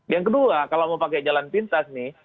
yang kedua kalau mau pakai jalan pintas nih